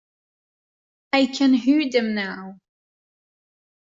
I can hear them now.